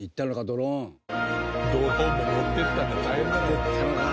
ドローンも持っていったんだ。